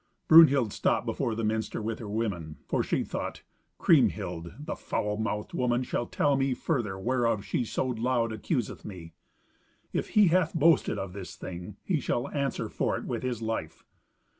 Brunhild stopped before the minster with her women, for she thought, "Kriemhild, the foul mouthed woman, shall tell me further whereof she so loud accuseth me. If he hath boasted of this thing, he shall answer for it with his life."